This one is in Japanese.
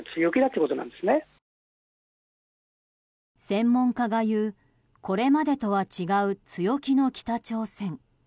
専門家が言うこれまでとは違う強気の北朝鮮。